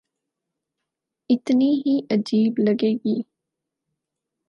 اتنی ہی عجیب لگے گی۔